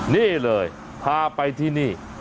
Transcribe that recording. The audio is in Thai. นี่เลยพาไปที่นี่